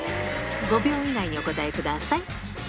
５秒以内にお答えください。